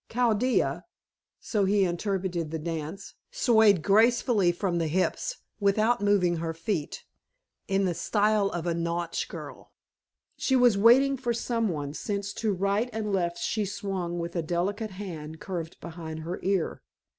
Chaldea so he interpreted the dance swayed gracefully from the hips, without moving her feet, in the style of a Nautch girl. She was waiting for some one, since to right and left she swung with a delicate hand curved behind her ear.